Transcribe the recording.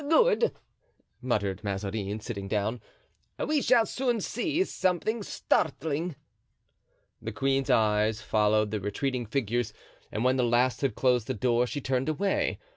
"Good," muttered Mazarin, sitting down, "we shall soon see something startling." The queen's eyes followed the retreating figures and when the last had closed the door she turned away.